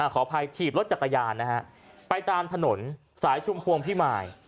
ขออภัยถีบรถจักรยานนะฮะไปตามถนนสายชุมพวงพิมาย